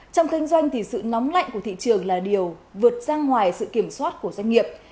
trong kinh doanh thì sự nóng lạnh của thị trường là điều vượt ra ngoài sự kiểm soát của doanh nghiệp